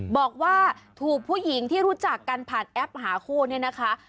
บอกว่าถูกผู้หญิงที่รู้จักกันผ่านแอปหาคู่เนี่ยนะคะ